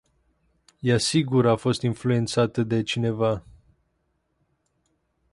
Ea sigur a fost influentata de cineva.